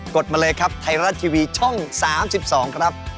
ดมาเลยครับไทยรัฐทีวีช่อง๓๒ครับ